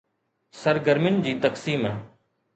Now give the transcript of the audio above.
سرگرمين جي تقسيم